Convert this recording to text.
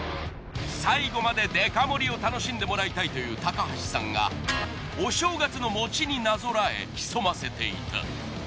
最後までデカ盛りを楽しんでもらいたいという高橋さんがお正月の餅になぞらえ潜ませていた。